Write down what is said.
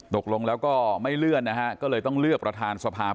ตกลงแล้วก็ไม่เลื่อนนะฮะก็เลยต้องเลือกประธานสภาพ